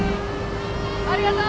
ありがとう！